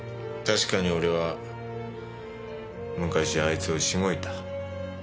確かに俺は昔あいつをしごいた。